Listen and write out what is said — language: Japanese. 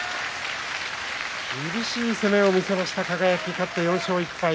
厳しい攻めを見せました輝勝って４勝１敗。